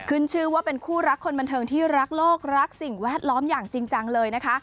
ขึ้นชื่อว่าเป็นคู่รักคนบันเทิงที่รักโลกรักสิ่งแวดล้อมอย่างจริงจังเลยนะคะ